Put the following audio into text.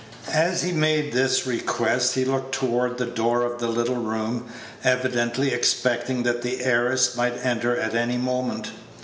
As he made this request, he looked toward the door of the little room, evidently expecting that the heiress might enter at any moment.